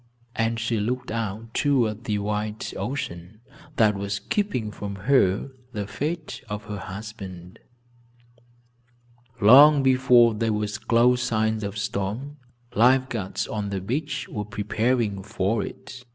And she looked out toward the wild ocean, that was keeping from her the fate of her husband. Long before there were close signs of storm, life guards, on the beach, were preparing for it.